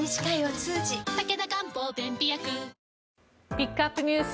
ピックアップＮＥＷＳ